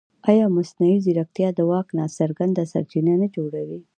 ایا مصنوعي ځیرکتیا د واک ناڅرګند سرچینه نه جوړوي؟